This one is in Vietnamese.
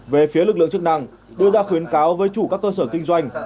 về phía lực lượng chức năng đưa ra khuyến cáo với chủ các cơ sở kinh doanh